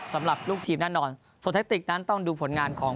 สำหรับลูกทีมแน่นอนส่วนแทคติกนั้นต้องดูผลงานของ